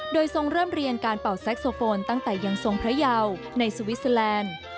โดยทรงเริ่มเรียนการเป่าแซ็กโซโฟนตั้งแต่ยังทรงพระยาวในสวิสเตอร์แลนด์